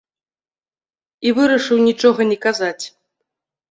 І вырашыў нічога не казаць.